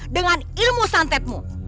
dengan ilmu santetmu